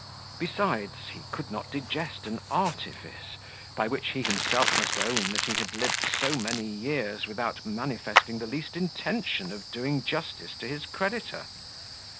Besides, he could not digest an artifice, by which he himself must own that he had lived so many years without manifesting the least intention of doing justice to his creditor.